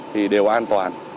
thì đều an toàn